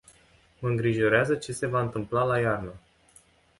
Mă îngrijorează ce se va întâmpla la iarnă.